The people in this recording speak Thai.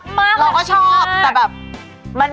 เราก็ชอบแต่แบบ